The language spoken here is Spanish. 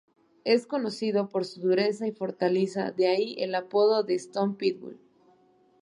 Es conocido por su dureza y fortaleza, de ahí el apodo de "Stone Pitbull".